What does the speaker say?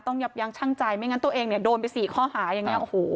ต้องยับยางชั่งใจไม่งั้นตัวเองเนี่ย์โดนไปสี่ข้อหายังไง